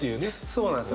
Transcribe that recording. そうなんですよ。